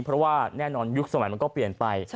เพราะว่าแน่นอนยุคสมัยมันก็เปลี่ยนไป